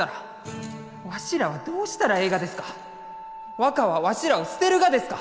若はわしらを捨てるがですか？